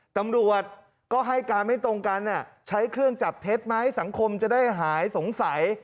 ตำรวจก็ให้การไม่ตรงกันใช้เครื่องจับเท็จไหมสังคมจะได้หายสงสัย